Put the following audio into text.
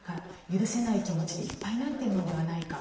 許せない気持ちでいっぱいになっているのではないか。